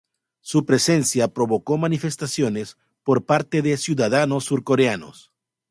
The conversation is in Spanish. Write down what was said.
Su presencia provocó manifestaciones por parte de ciudadanos surcoreanos.